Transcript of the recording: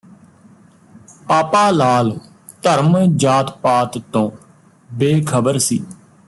ਪਾਪਾਲਾਲ ਧਰਮ ਜਾਤ ਪਾਤ ਤੋਂ ਬੇਖ਼ਬਰ ਸੀ